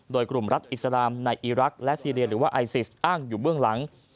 โดยกลุ่มรัฐอิสลามในอีรักษ์และซีเรียหรือว่าไอซิสอ้างอยู่เบื้องหลัง